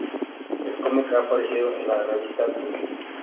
El cómic ha aparecido en la revista Tintín.